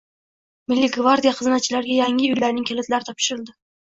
Milliy gvardiya xizmatchilariga yangi uylarning kalitlari topshirildi